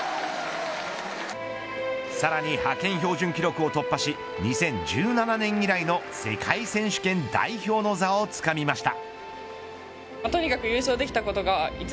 さらに派遣標準記録を突破し２０１７年以来の世界選手権代表の座をつかみました。